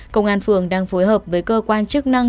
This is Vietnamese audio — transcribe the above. công an phường đang phối hợp với cơ quan chức năng